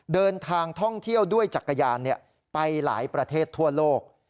เดินทางท่องเที่ยวด้วยจักรยานไปหลายประเทศทั่วโลก